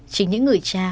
chính những người cha